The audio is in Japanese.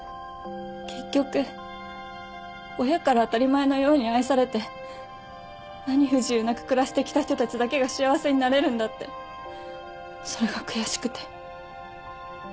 結局親から当たり前のように愛されて何不自由なく暮らしてきた人たちだけが幸せになれるんだってそれが悔しくて。